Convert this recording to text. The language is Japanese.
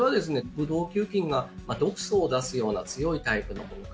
ブドウ球菌が毒素を出すような強いタイプのものか